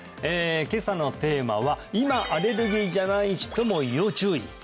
今朝のテーマは今アレルギーじゃない人も要注意！